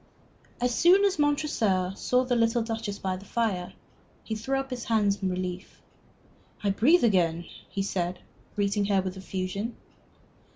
As soon as Montresor saw the little Duchess by the fire, he threw up his hands in relief. "I breathe again," he said, greeting her with effusion.